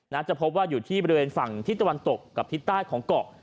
จะพบว่าอยู่ที่บริเวณฝั่งทิศตะวันตกกับทิศใต้ของเกาะ